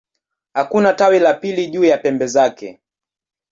Hakuna tawi la pili juu ya pembe zake.